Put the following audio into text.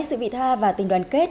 sự vị tha và tình đoàn kết